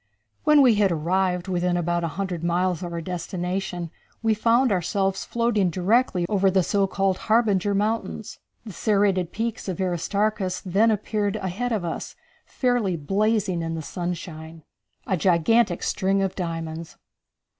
When we had arrived within about a hundred miles of our destination we found ourselves floating directly over the so called Harbinger Mountains. The serrated peaks of Aristarchus then appeared ahead of us, fairly blazing in the sunshine. A Gigantic String Of Diamonds.